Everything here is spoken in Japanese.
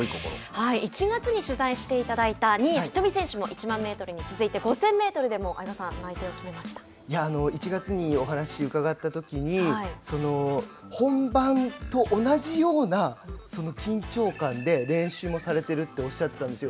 １月に取材していただいた新谷仁美選手も１００００メートルに続いて５０００メートルでも相葉さん１月にお話伺ったときに本番と同じような緊張感で練習もされているっておっしゃってたんですよ。